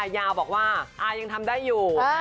ยาวบอกว่าอายังทำได้อยู่